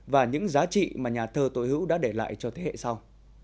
và những giá trị mà nhà thơ tôi hữu đã để lại cho thế hệ sau